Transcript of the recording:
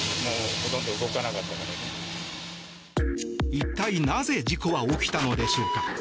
一体なぜ事故は起きたのでしょうか？